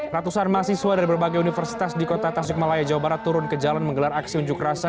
ratusan mahasiswa dari berbagai universitas di kota tasik malaya jawa barat turun ke jalan menggelar aksi unjuk rasa